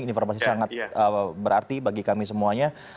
informasi sangat berarti bagi kami semuanya